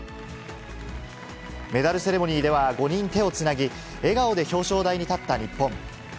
メダルセレモニーでは、５人手をつなぎ、笑顔で表彰台に立った日本。